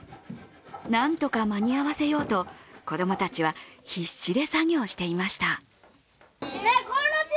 なんとか間に合わせようと子供たちは必死で作業していました。